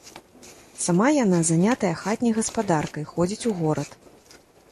Сама яна занятая хатняй гаспадаркай, ходзіць у горад.